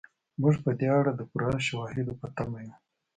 موږ په دې اړه د پوره شواهدو په تمه یو.